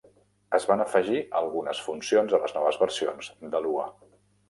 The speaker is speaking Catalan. Es van afegir algunes funcions a les noves versions de Lua.